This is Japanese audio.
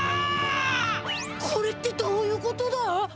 これってどういうことだ？